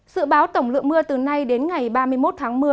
dự báo tổng lượng mưa từ nay đến ngày ba mươi một tháng một mươi